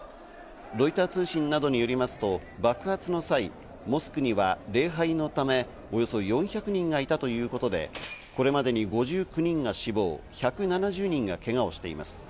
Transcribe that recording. ロイター通信などによりますと爆発の際、モスクには礼拝のためおよそ４００人がいたということで、これまでに５９人が死亡、１７０人がけがをしています。